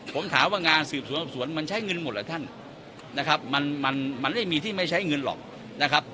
ผมถามว่างานสืบสวนสอบสวนมันใช้เงินหมดเหรอท่านนะครับมันมันไม่มีที่ไม่ใช้เงินหรอกนะครับ